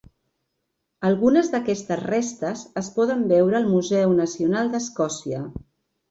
Algunes d'aquestes restes es poden veure al Museu Nacional d'Escòcia.